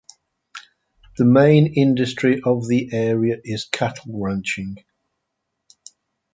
The main industry of the area is cattle ranching.